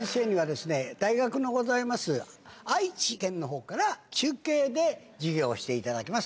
佐藤先生には、大学のございます愛知県のほうから、中継で授業をしていただきます。